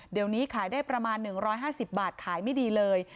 เดี๋ยวนี้ขายได้ประมาณ๑๕๐บาทขายไม่ดีเลย